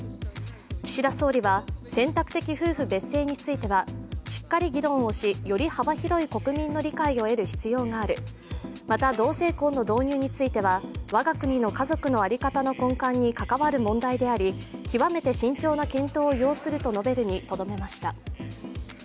岸田総理は選択的夫婦別姓についてはしっかり議論をし、より幅広い国民の理解を得る必要がある、また同性婚の導入については我が国の家族の在り方の根幹に関わる問題であり極めて慎重な検討を要すると述べるにとどめました。